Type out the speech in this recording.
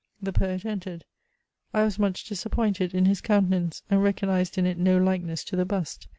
The poet entered. I was much disappointed in his countenance, and recognised in it no likeness to the bust.